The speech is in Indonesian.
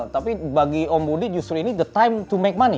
tapi bagi om budi justru ini saat untuk membuat uang